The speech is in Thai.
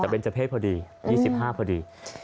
แต่เป็นเจ้าเพศพอดี๒๕พอดี